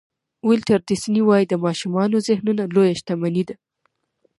ولټر ډیسني وایي د ماشومانو ذهنونه لویه شتمني ده.